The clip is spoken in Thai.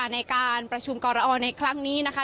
ในการประชุมกรอในครั้งนี้นะคะ